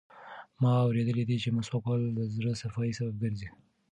ما اورېدلي دي چې مسواک وهل د زړه د صفایي سبب ګرځي.